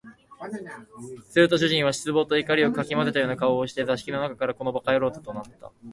すると主人は失望と怒りを掻き交ぜたような声をして、座敷の中から「この馬鹿野郎」と怒鳴った